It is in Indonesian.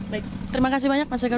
baik terima kasih banyak mas ekor